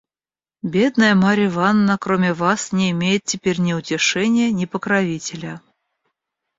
Бедная Марья Ивановна, кроме вас, не имеет теперь ни утешения, ни покровителя».